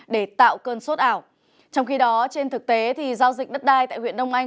để tạo cơn sốt ảo trong khi đó trên thực tế giao dịch đất đai tại huyện đông anh